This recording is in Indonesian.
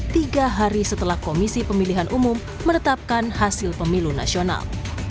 tiga hari setelah komisi pemilihan umum menetapkan hasil pemilu nasional